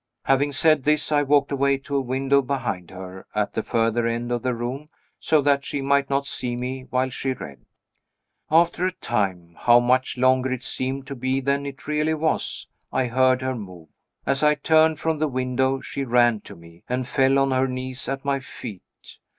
Having said this, I walked away to a window behind her, at the further end of the room, so that she might not see me while she read. After a time how much longer it seemed to be than it really was! I heard her move. As I turned from the window, she ran to me, and fell on her knees at my feet.